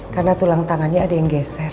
karena tulang tangannya ada yang geser